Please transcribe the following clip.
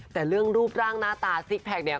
แต่เรื่องรูปร่างหน้าตาซิกแพคเนี่ย